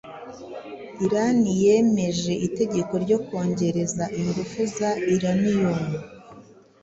iran yemeje itegeko ryo kwongereza ingufu za uranium